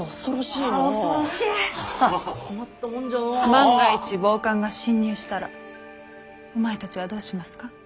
万が一暴漢が侵入したらお前たちはどうしますか？